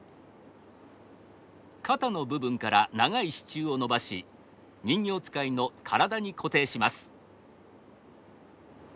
肩の部分から長い支柱を伸ばし人形遣いの体に固定します。